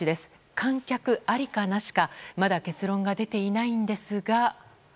観客ありかなしかまだ結論が出ていないんですが。